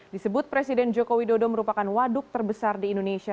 disebut presiden jokowi dodo merupakan waduk terbesar di indonesia